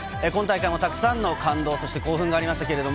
今大会もたくさんの感動と興奮がありました。